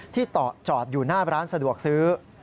ที่จอดอยู่หน้าร้านสะดวกซื้อ